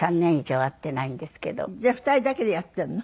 じゃあ２人だけでやってるの？